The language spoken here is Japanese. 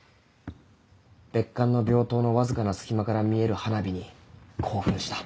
別館の病棟のわずかな隙間から見える花火に興奮した。